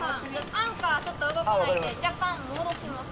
アンカーちょっと動かないので若干戻します。